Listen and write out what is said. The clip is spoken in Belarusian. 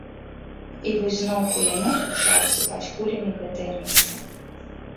І вось зноў кулямёт пачаў абсыпаць кулямі гэтае месца.